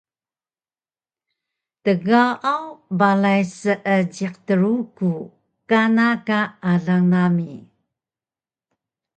Tgaaw balay Seejiq Truku kana ka alang nami